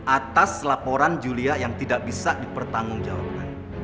atas laporan julia yang tidak bisa dipertanggung jawabkan